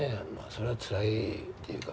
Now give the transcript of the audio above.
そりゃつらいっていうか。